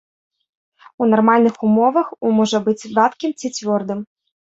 У нармальных умовах у можа быць вадкім ці цвёрдым.